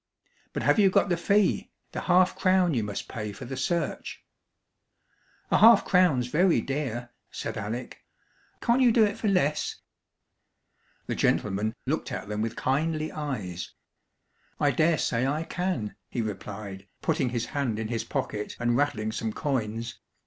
"But have you got the fee? the half crown you must pay for the search?" "A half crown's very dear," said Alec. "Can't you do it for less?" The gentleman looked at them with kindly eyes. "I dare say I can," he replied, putting his hand in his pocket, and rattling some coins.